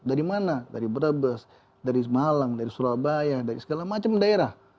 dari mana dari brebes dari malang dari surabaya dari segala macam daerah